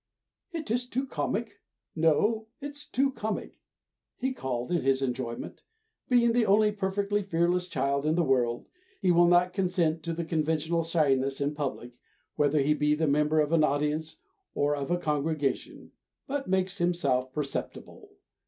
"It's too comic; no, it's too comic," he called in his enjoyment; being the only perfectly fearless child in the world, he will not consent to the conventional shyness in public, whether he be the member of an audience or of a congregation, but makes himself perceptible.